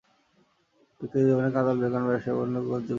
ব্যক্তিগত জীবনে কাজল বিয়ে করেন ব্যবসায়ী বন্ধু গৌতম কিচলুকে।